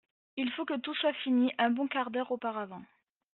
Il faut que tout soit fini un bon quart d'heure auparavant.